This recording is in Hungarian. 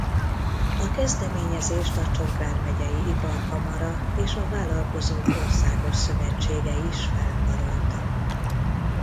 A kezdeményezést a Csongrád Megyei Iparkamara és a Vállalkozók Országos Szövetsége is felkarolta.